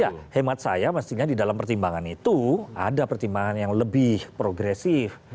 ya hemat saya mestinya di dalam pertimbangan itu ada pertimbangan yang lebih progresif